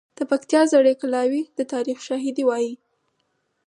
د پکتیا زړې کلاوې د تاریخ شاهدي وایي.